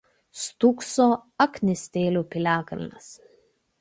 Stūkso Aknystėlių piliakalnis.